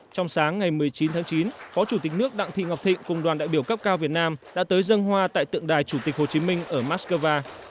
trong sáng ngày một mươi chín tháng chín phó chủ tịch nước đặng thị ngọc thịnh cùng đoàn đại biểu cấp cao việt nam đã tới dân hoa tại tượng đài chủ tịch hồ chí minh ở moscow